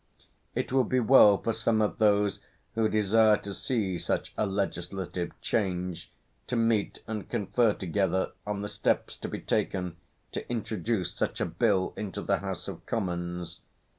It would be well for some of those who desire to see such a legislative change to meet and confer together on the steps to be taken to introduce such a Bill into the House of Commons.